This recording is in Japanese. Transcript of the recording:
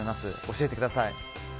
教えてください。